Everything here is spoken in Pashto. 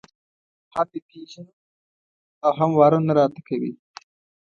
هم یې پېژنو او هم واره نه راته کوي.